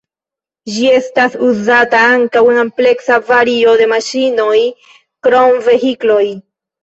Ĝi estas uzata ankaŭ en ampleksa vario de maŝinoj krom vehikloj.